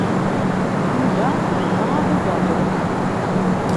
Yuba yebɣa abugaṭu.